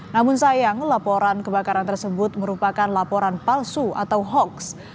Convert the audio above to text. namun sayang laporan kebakaran tersebut merupakan laporan palsu atau hoax